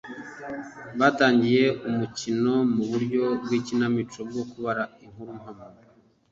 batangiye umukino mu buryo bw’ikinamico bwo kubara inkuru mpamo